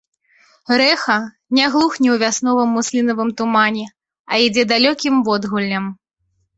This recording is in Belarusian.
Рэха не глухне ў вясновым муслінавым тумане, а ідзе далёкім водгуллем.